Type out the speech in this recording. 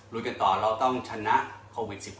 ลุยกันต่อเราต้องชนะโควิด๑๙